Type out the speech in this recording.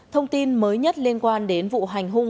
thông tin mới nhất liên quan đến vụ hành hung